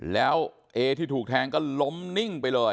แล้วเอที่ถูกแทงก็ล้มนิ่งไปเลย